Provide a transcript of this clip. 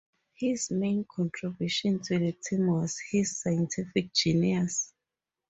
His main contribution to the team was his scientific genius.